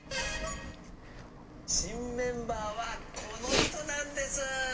新メンバーはこの人なんです。